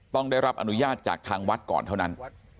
ต้องได้รับอนุญาตจากทางวัดก่อนเท่านั้น